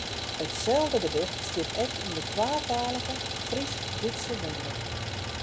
Itselde gedicht stiet ek yn de twatalige Frysk-Dútske bondel.